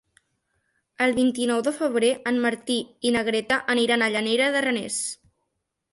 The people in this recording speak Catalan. El vint-i-nou de febrer en Martí i na Greta aniran a Llanera de Ranes.